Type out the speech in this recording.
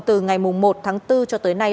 từ ngày một tháng bốn cho tới nay